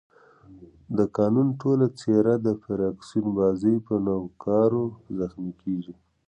د قانون ټوله څېره د فراکسیون بازۍ په نوکارو زخمي کېږي.